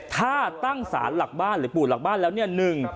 ถ้าตั้งสารหลักบ้านหรือปู่หลักบ้านแล้วเนี่ย